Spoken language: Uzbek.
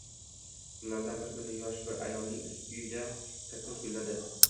Kunlardan bir kuni yosh bir ayolning uyida kaktus gulladi